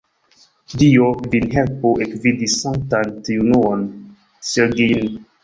Dio vin helpu ekvidi Sanktan Triunuon-Sergij'n.